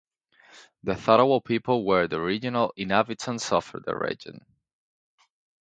The Tharawal people were the original inhabitants of the region.